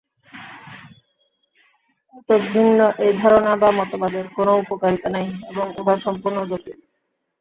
এতদ্ভিন্ন এই ধারণা বা মতবাদের কোন উপকারিতা নাই, এবং উহা সম্পূর্ণ অযৌক্তিক।